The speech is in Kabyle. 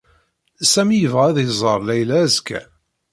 Sami yebɣa ad iẓer Layla azekka.